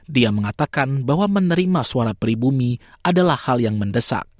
dia mengatakan bahwa menerima suara pribumi adalah hal yang mendesak